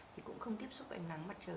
thì cũng không tiếp xúc ánh nắng mặt trời